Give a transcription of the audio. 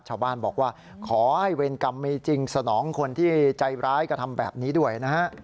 ชาวบ้านบอกว่าขอให้เวรกรรมมีจริงสนองคนที่ใจร้ายกระทำแบบนี้ด้วยนะฮะ